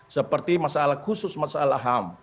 seperti masalah khusus masalah ham